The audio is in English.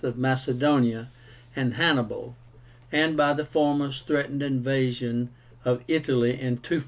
of Macedonia and Hannibal, and by the former's threatened invasion of Italy in 214.